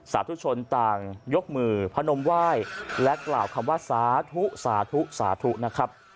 สาธุชนต่างยกมือพนมไหว้และกล่าวคำว่าสาธุสาธุสาธุนะครับ